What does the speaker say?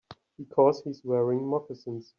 Because he's wearing moccasins.